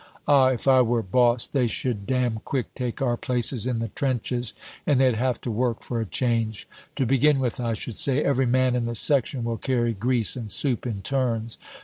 Ah, if I were boss, they should damn quick take our places in the trenches, and they'd have to work for a change. To begin with, I should say, 'Every man in the section will carry grease and soup in turns.'